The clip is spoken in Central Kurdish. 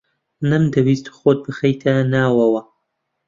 نەمدەویست خۆت بخەیتە ناوەوە.